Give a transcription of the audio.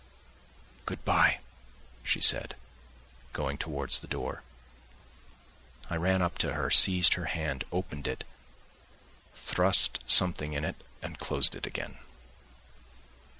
"Good bye," she said, going towards the door. I ran up to her, seized her hand, opened it, thrust something in it and closed it again.